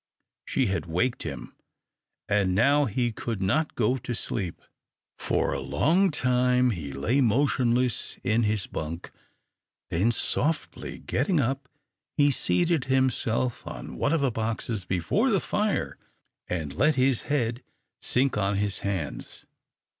She had waked him, and now he could not go to sleep. For a long time he lay motionless in his bunk, then softly getting up, he seated himself on one of the boxes before the fire, and let his head sink on his hands.